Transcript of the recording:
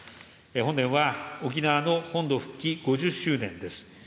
本年は沖縄の本土復帰５０周年です。